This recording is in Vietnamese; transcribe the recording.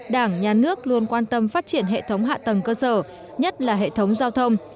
đảng nhà nước luôn quan tâm phát triển hệ thống hạ tầng cơ sở nhất là hệ thống giao thông